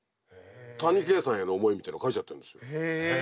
谷啓さんへの思いみたいなの書いちゃってるんですよ。